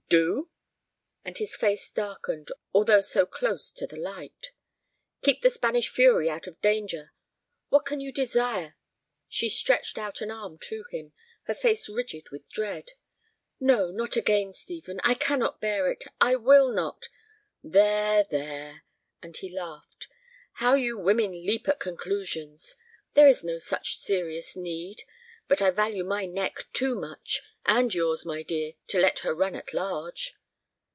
"Do?" And his face darkened, although so close to the light. "Keep the Spanish fury out of danger. What can you desire—" She stretched out an arm to him, her face rigid with dread. "No, not again, Stephen. I cannot bear it—I will not—" "There, there," and he laughed, "how you women leap at conclusions! There is no such serious need. But I value my neck too much, and yours, my dear, to let her run at large."